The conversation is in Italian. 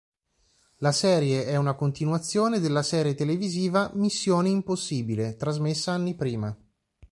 La serie è una continuazione della serie televisiva "Missione Impossibile" trasmessa anni prima.